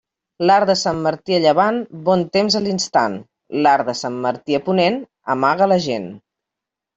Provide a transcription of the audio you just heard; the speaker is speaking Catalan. L'arc de Sant Martí a llevant, bon temps a l'instant; l'arc de Sant Martí a ponent, amaga la gent.